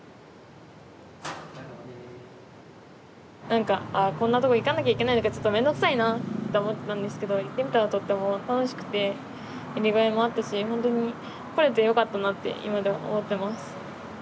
なんかあこんなとこ行かなきゃいけないのかちょっとめんどくさいなって思ってたんですけど行ってみたらとっても楽しくてやりがいもあったしほんとに来れてよかったなって今でも思ってます。